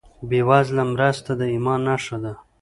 بېوزله مرسته د ایمان نښه ده.